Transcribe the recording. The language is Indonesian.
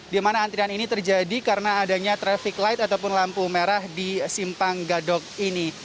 di mana antrian ini terjadi karena adanya traffic light ataupun lampu merah di simpang gadok ini